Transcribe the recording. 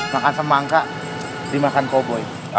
makan semangka dimakan koboi